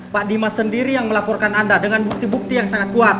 pak dimas sendiri yang melaporkan anda dengan bukti bukti yang sangat kuat